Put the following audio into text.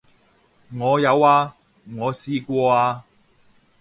我有啊，我試過啊